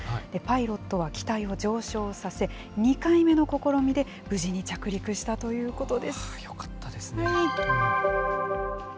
パイロットは機体を上昇させ、２回目の試みで無事に着陸したといよかったですね。